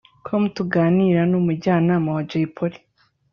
com tuganira n’umujyanama wa Jay Polly